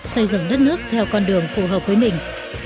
xây dựng đất nước theo con đường phù hợp với mình